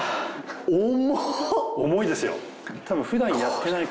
重いですよ。